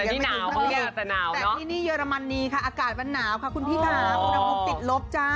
แต่นี่หนาวแต่นี่เยอรมนีค่ะอากาศมันหนาวค่ะคุณพี่ค่ะติดลบจ้า